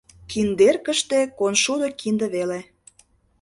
Киндеркыште коншудо кинде веле...